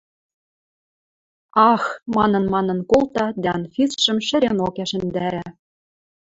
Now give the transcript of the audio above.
Ах! – манын-манын колта дӓ Анфисшӹм шӹренок ӓшӹндара.